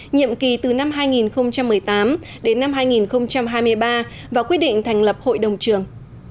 nhiệm kỳ từ năm hai nghìn một mươi tám đến năm hai nghìn hai mươi ba và quyết định thành lập hội đồng trường